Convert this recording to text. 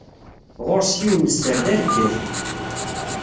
Ɣur-s yiwen n sser d areggal.